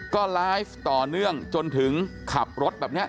ก็ไลฟ์ต่อเนื่องจนถึงขับรถแบบนี้